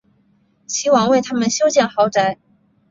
齐王为他们修建豪宅。